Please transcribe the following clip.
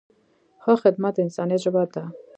ښه خدمت د انسانیت ژبه ده.